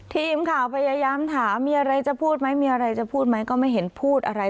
ทีมข่าวพยายามถามมีอะไรจะพูดไหมมีอะไรจะพูดไหมก็ไม่เห็นพูดอะไร